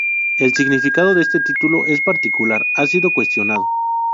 El significado de este título en particular ha sido cuestionado.